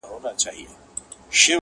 هغه نوري ورځي نه در حسابیږي!!